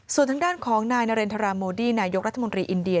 ส่วนทางด้านของนายนาเรนทราโมดี้นายกรัฐมนตรีอินเดีย